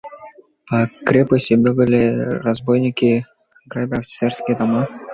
По крепости бегали разбойники, грабя офицерские дома.